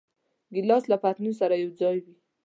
ګیلاس له پتنوس سره یوځای وي.